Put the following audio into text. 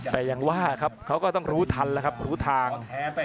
แต่ยังว่าครับเขาก็ต้องรู้ทันแล้วครับรู้ทาง